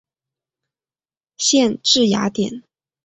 县治雅典。